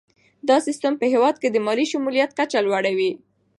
دا سیستم په هیواد کې د مالي شمولیت کچه لوړوي.